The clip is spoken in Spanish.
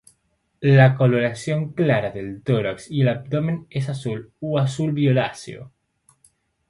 La coloración clara del tórax y abdomen es azul o azul violáceo.